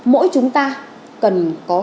mỗi chúng ta cần có